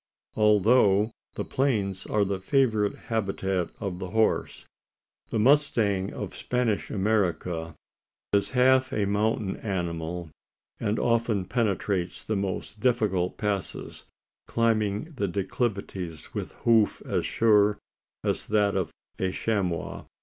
Although the plains are the favourite habitat of the horse, the mustang of Spanish America is half a mountain animal; and often penetrates the most difficult passes climbing the declivities with hoof as sure as that of a chamois.